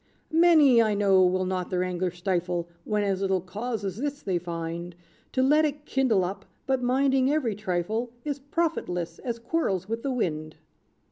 "Many, I know, will not their anger stifle, When as little cause as this, they find To let it kindle up; but minding every trifle Is profitless as quarrels with the wind.